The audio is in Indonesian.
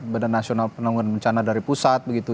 badan nasional penangguhan bencana dari pusat begitu